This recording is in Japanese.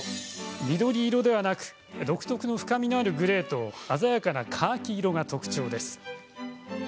緑色ではなく独特の深みのあるグレーと鮮やかなカーキ色が特徴です。